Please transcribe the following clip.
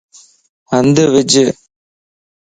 ھنڌ وج